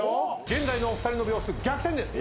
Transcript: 現在のお二人の秒数逆転です。